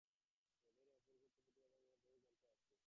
বেদের এই অপৌরুষেয়ত্ব প্রতিপাদনের জন্য বহু গ্রন্থ আছে।